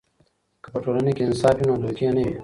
که په ټولنه کې انصاف وي، نو دوکې نه وي.